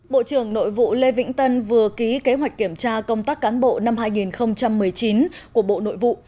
bộ trưởng nội vụ lê vĩnh tân vừa ký kế hoạch kiểm tra công tác cán bộ năm hai nghìn một mươi chín của bộ nội vụ